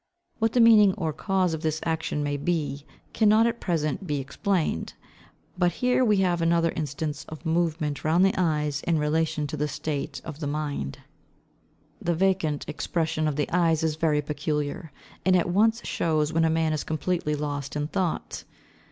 What the meaning or cause of this action may be, cannot at present be explained; but here we have another instance of movement round the eyes in relation to the state of the mind. The vacant expression of the eyes is very peculiar, and at once shows when a man is completely lost in thought.